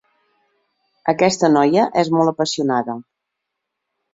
Aquesta noia és molt apassionada.